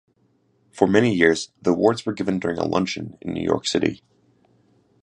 For many years, the awards were given during a luncheon in New York City.